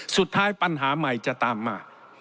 สุดท้ายปัญหาใหม่จะตามมา